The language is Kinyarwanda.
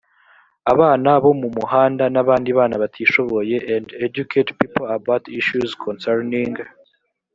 abana bo mu muhanda n abandi bana batishoboye and educate people about issues concerning